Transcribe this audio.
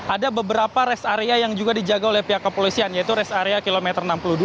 ada beberapa rest area yang juga dijaga oleh pihak kepolisian yaitu res area kilometer enam puluh dua